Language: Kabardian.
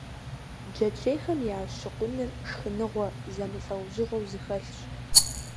Джэджьейхэм я щыкъуныр шхыныгъуэ зэмылӀэужьыгъуэу зэхэлъщ.